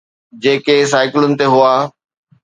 جيڪي سائيڪلن تي هئا.